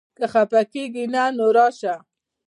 که خپه کېږې نه؛ نو راشه!